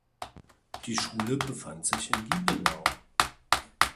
Die Schule befand sich in Liebenau.